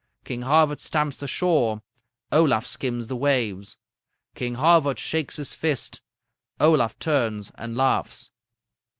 King Havard stamps the shore: Olaf skims the waves. King Havard shakes his fist. Olaf turns and laughs.'